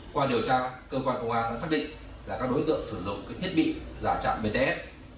qua điều tra cơ quan công an đã xác định là các đối tượng sử dụng thiết bị giả trạm bts